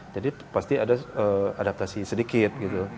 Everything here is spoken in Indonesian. jadi pasti ada adaptasi sedikit gitu